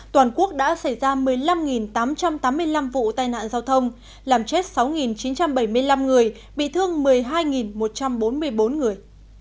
toàn quốc đã xảy ra một mươi năm tám trăm tám mươi năm vụ tai nạn giao thông làm chết sáu chín trăm bảy mươi năm người bị thương một mươi hai một trăm bốn mươi bốn người